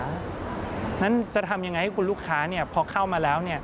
เพราะฉะนั้นจะทำยังไงให้คุณลูกค้าพอเข้ามาแล้ว